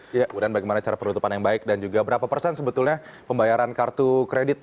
kemudian bagaimana cara penutupan yang baik dan juga berapa persen sebetulnya pembayaran kartu kredit